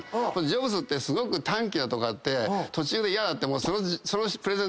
ジョブズってすごく短気なとこあって途中で嫌になって。